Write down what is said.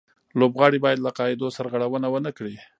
لوبغاړي باید له قاعدو سرغړونه و نه کړي.